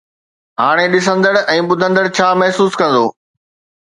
هاڻي ڏسندڙ ۽ ٻڌندڙ ڇا محسوس ڪندو؟